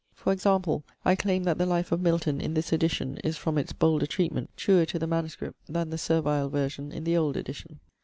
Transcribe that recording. For example, I claim that the life of Milton, in this edition, is, from its bolder treatment, truer to the MS., than the servile version in the old edition.